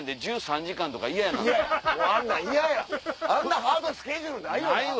あんなハードスケジュールないよな！